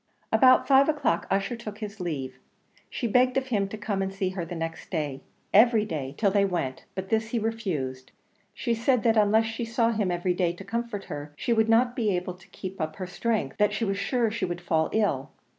About five o'clock Ussher took his leave; she begged of him to come and see her the next day every day till they went; but this he refused; she said that unless she saw him every day to comfort her, she would not be able to keep up her strength that she was sure she would fall ill.